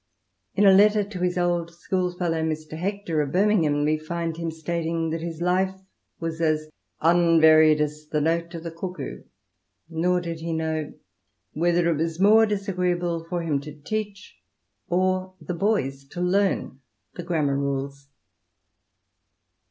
In a letter to his old school fellow, Mr. Hector, of Birmingham, we find him stating that his life was as " unvaried as the note of the cuckoo ;" nor did he know " whether it was more disagreeable for him to teach, or the boys to learn the grammar rules."